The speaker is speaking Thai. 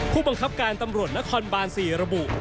ผู้บังคับการตำรวจนครบาน๔ระบุ